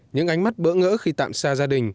những ánh mắt bỡ ngỡ khi tạm xa gia đình